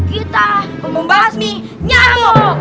kita membahas nih nyamuk